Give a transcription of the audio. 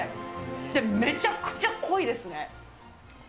めちゃくちゃ濃いですね。